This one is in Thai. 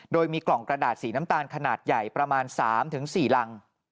โดยมีกล่องกระดาษสีน้ำตาลขนาดใหญ่ประมาณ๓๔รัง